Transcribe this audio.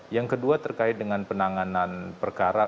yang kedua terkait dengan penanganan perkara